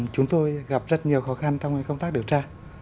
chúng tôi gặp rất nhiều khó khăn trong công tác điều tra